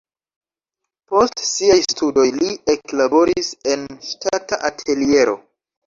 Post siaj studoj li eklaboris en ŝtata ateliero.